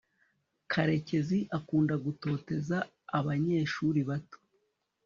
karekezi akunda gutoteza abanyeshuri bato